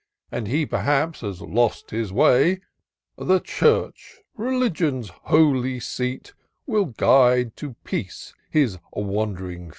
And he, perhaps, has lost his way ;— The Church, — Religion's holy seat, Will guide to peace his wand'ring feet